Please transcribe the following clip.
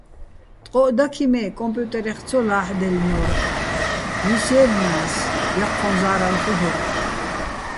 ტყო́ჸ დაქიჼ, მე́ კომპიუტერეხ ცო ლა́ჰ̦დაჲლნო́რ, ჲისჲაჲლ'ნა́ს, ჲაჴჴო́ჼ ზა́რალ ხილ'ურ.